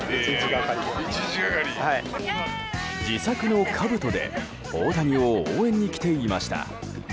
自作のかぶとで大谷を応援に来ていました。